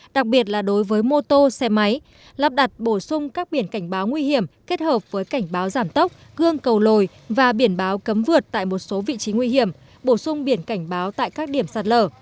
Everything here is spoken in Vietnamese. đặc biệt là đối với mô tô xe máy lắp đặt bổ sung các biển cảnh báo nguy hiểm kết hợp với cảnh báo giảm tốc gương cầu lồi và biển báo cấm vượt tại một số vị trí nguy hiểm bổ sung biển cảnh báo tại các điểm sạt lở